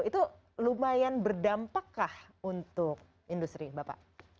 itu lumayan berdampak kah untuk industri bapak